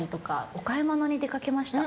お買い物に出かけました。